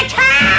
masih berani kamu